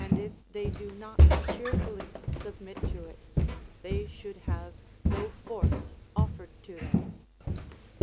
if they do not cheerfully submit to it, they should have no force offered to them.